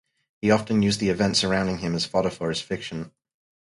He often used the events surrounding him as fodder for his fiction.